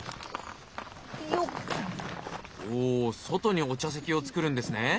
外にお茶席を作るんですね。